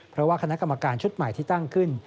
เพราะว่าคณะกรรมการชุดใหม่ที่ตั้งขึ้น